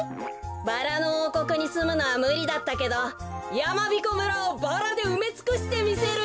バラのおうこくにすむのはむりだったけどやまびこ村をバラでうめつくしてみせるよ。